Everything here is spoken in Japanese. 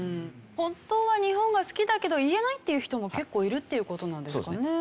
本当は日本が好きだけど言えないっていう人も結構いるっていう事なんですかね。